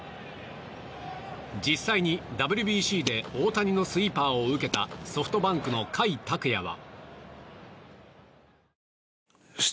実際に、ＷＢＣで大谷のスイーパーを受けたソフトバンクの甲斐拓也は。